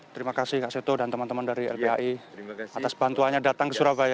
terima kasih kak seto dan teman teman dari lpai atas bantuannya datang ke surabaya